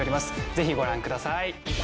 ぜひご覧ください。